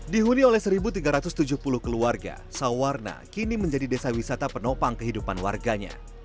dihuni oleh satu tiga ratus tujuh puluh keluarga sawarna kini menjadi desa wisata penopang kehidupan warganya